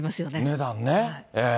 値段ね。